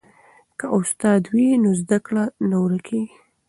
که استاد وي نو زده کړه نه ورکیږي.